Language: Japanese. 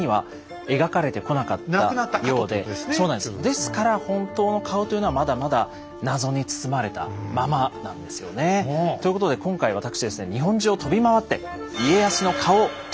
ですから本当の顔というのはまだまだ謎に包まれたままなんですよね。ということで今回わたくしですね日本中を飛び回って家康の顔を徹底的に調査してきました。